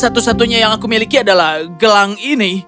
satu satunya yang aku miliki adalah gelang ini